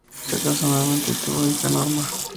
Se casó nuevamente y tuvo otra hija, Norma.